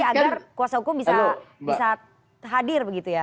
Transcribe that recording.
agar kuasa hukum bisa hadir begitu ya